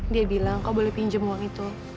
dia bilang kau boleh pinjam uang itu